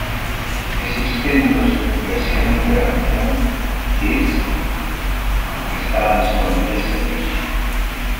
Existen dos versiones de la canción "Thieves" que estaban disponible en línea.